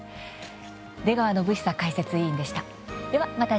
出川展恒解説委員でした。